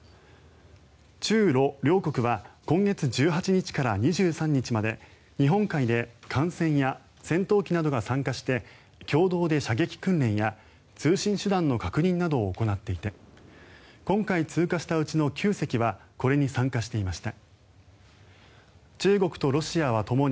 中ロ両国は今月１８日から２３日まで日本海で艦船や戦闘機などが参加して共同で射撃訓練や通信手段の確認などを行っていて今回通過したうちの９隻はこれに参加していました。